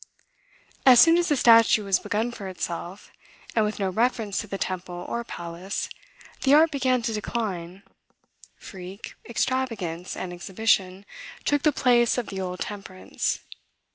As soon as the statue was begun for itself, and with no reference to the temple or palace, the art began to decline: freak, extravagance, and exhibition, took the place of the old temperance.